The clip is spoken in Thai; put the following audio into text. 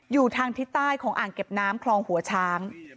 อยู่ทางทิศใต้ของอ่างเก็บน้ำคลองหัวช้าง